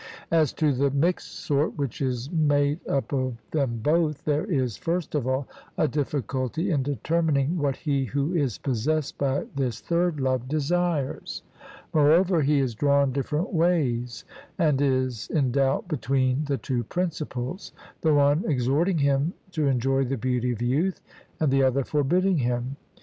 As to the mixed sort which is made up of them both, there is, first of all, a difficulty in determining what he who is possessed by this third love desires; moreover, he is drawn different ways, and is in doubt between the two principles; the one exhorting him to enjoy the beauty of youth, and the other forbidding him.